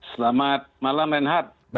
selamat malam enhat